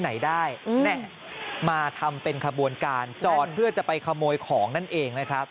ไหนได้มาทำเป็นขบวนการจอดเพื่อจะไปขโมยของนั่นเองนะครับ